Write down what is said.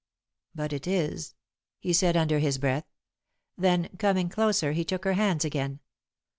"But it is," he said, under his breath. Then, coming closer, he took her hands again.